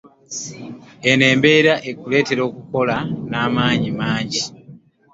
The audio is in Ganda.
Eno embeera ekuletera okukola n'amanyi mangi.